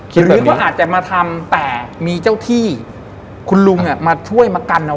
หรือว่าอาจจะมาทำแต่มีเจ้าที่คุณลุงอ่ะมาช่วยมากันอ่ะ